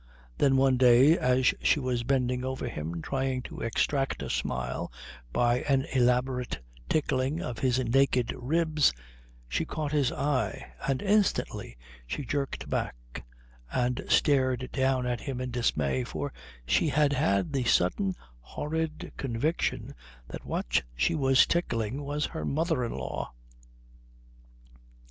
Then one day as she was bending over him trying to extract a smile by an elaborate tickling of his naked ribs she caught his eye, and instantly she jerked back and stared down at him in dismay, for she had had the sudden horrid conviction that what she was tickling was her mother in law.